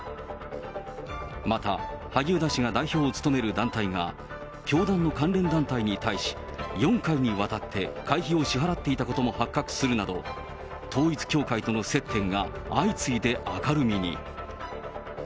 また、萩生田氏が代表を務める団体が、教団の関連団体に対し、４回にわたって会費を支払っていたことも発覚するなど、統一教会との接点が相次いで明るみに。